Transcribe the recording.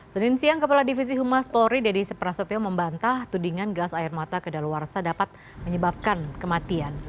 senin siang kepala divisi humas polri dedy seprasetyo membantah tudingan gas air mata ke dalawarsa dapat menyebabkan kematian